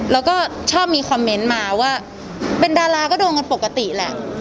แล้วก็ชอบมีคอมเมนต์มาว่าเป็นดาราก็โดนกันปกติแหละ